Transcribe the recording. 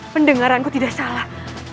pendengaranku tidak salah